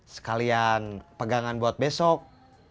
sekalian pegangan buat besok